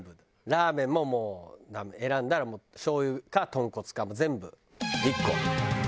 ラーメンももう選んだら醤油かとんこつかもう全部１個。